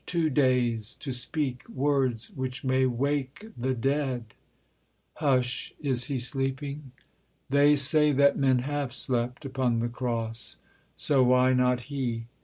Two days to speak Words which may wake the dead! ..... Hush! is he sleeping? They say that men have slept upon the cross; So why not he?